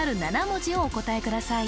７文字をお答えください